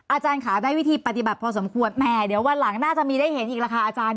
อาจารย์ค่ะได้วิธีปฏิบัติพอสมควรแหมเดี๋ยววันหลังน่าจะมีได้เห็นอีกแล้วค่ะอาจารย์